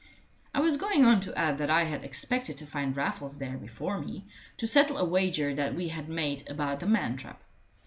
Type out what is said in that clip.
I was going on to add that I had expected to find Raffles there before me, to settle a wager that we had made about the man trap.